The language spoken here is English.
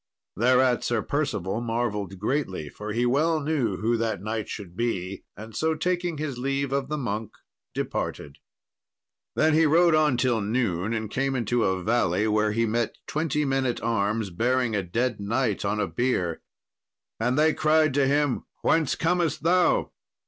Thereat Sir Percival marvelled greatly, for he well knew who that knight should be; and so, taking his leave of the monk, departed. Then he rode on till noon, and came into a valley where he met twenty men at arms bearing a dead knight on a bier. And they cried to him, "Whence comest thou?"